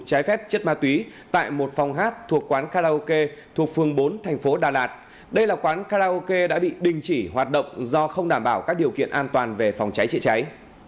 trái phép chất ma túy tại một phòng hát thuộc quán karaoke thuộc phường bốn thành phố đà lạt đây là quán karaoke đã bị đình chỉ hoạt động do không đảm bảo các điều kiện an toàn về phòng cháy chữa cháy